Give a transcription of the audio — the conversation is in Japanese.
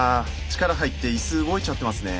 力入って椅子動いちゃってますね。